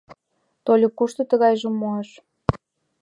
Тольык кушто тыгайжым муаш?